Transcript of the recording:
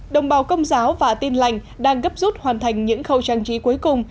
đồng bào công giáo và tin lành đang gấp rút hoàn thành những khâu trang trí cuối cùng